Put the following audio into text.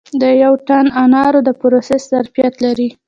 د یو ټن انارو د پروسس ظرفیت لري